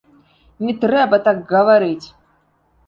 Не трэба так гаварыць!